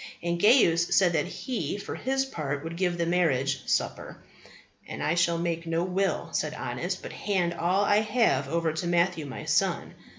And Gaius said that he for his part would give the marriage supper. And I shall make no will, said Honest, but hand all I have over to Matthew my son.